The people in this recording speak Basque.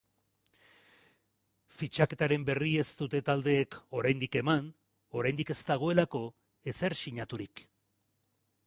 Fitxaketaren berri ez dute taldeek oraindik eman oraindik ez dagoelako ezer sinaturik.